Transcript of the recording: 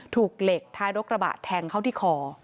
ถูกเหล็กท้ายรกระบะแทงเข้าที่คอ